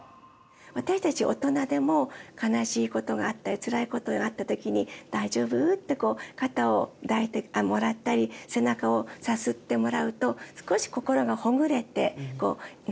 私たち大人でも悲しいことがあったりつらいことがあった時に「大丈夫？」ってこう肩を抱いてもらったり背中をさすってもらうと少し心がほぐれて何でも言える。